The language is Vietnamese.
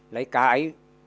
lấy cá ấy